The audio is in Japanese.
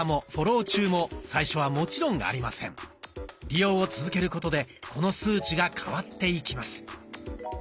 利用を続けることでこの数値が変わっていきます。